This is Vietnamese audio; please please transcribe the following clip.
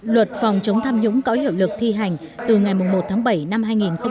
luật phòng chống tham nhũng có hiệu lực thi hành từ ngày một tháng bảy năm hai nghìn hai mươi